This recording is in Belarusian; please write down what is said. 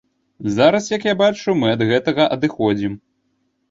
Зараз, як я бачу, мы ад гэтага адыходзім.